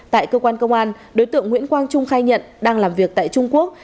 tại cơ quan công an đối tượng nguyễn quang trung khai nhận đang làm việc tại trung quốc